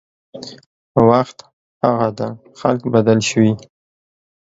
وخت هغه ده خلک بدل شوي